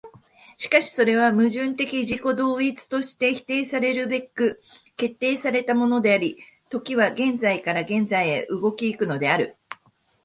しかしそれは矛盾的自己同一として否定せられるべく決定せられたものであり、時は現在から現在へと動き行くのである。